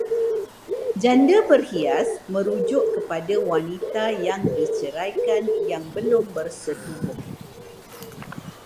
Janda berhias merujuk kepada wanita yang diceraikan yang belum bersetubuh